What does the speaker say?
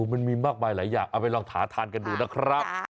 มันมีมากมายหลายอย่างเอาไปลองถาทานกันดูนะครับ